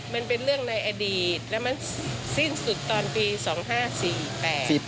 มันเป็นเรื่องในอดีต